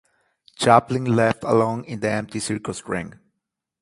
Chaplin's left alone in the empty circus ring...